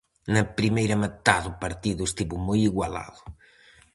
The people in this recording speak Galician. Na primeira metade o partido estivo moi igualado.